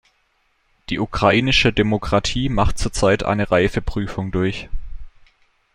Die ukrainische Demokratie macht zurzeit eine Reifeprüfung durch.